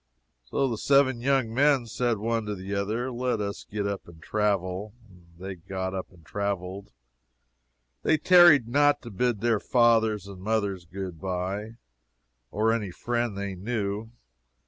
So the seven young men said one to the other, let us get up and travel. And they got up and traveled. They tarried not to bid their fathers and mothers good bye, or any friend they knew.